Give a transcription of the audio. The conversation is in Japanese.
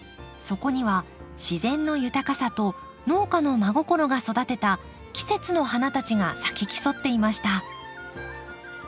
そこには自然の豊かさと農家の真心が育てた季節の花たちが咲き競っていました。